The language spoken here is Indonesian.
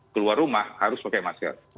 keluar rumah harus pakai masker